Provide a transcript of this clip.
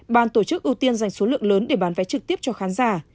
ban tổ chức ưu tiên dành số lượng lớn để bán vé trực tiếp cho khán giả